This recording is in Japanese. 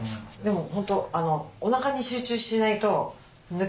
でも本当おなかに集中しないと抜けちゃう。